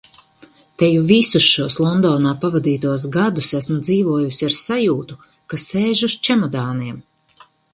Teju visus šos Londonā pavadītos gadus esmu dzīvojusi ar sajūtu, ka sēžu uz čemodāniem.